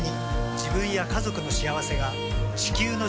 自分や家族の幸せが地球の幸せにつながっている。